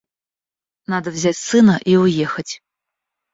Надо взять сына и уехать.